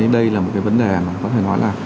đây là một cái vấn đề mà có thể nói là